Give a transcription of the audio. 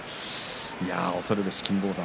恐るべし金峰山。